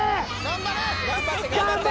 頑張れ！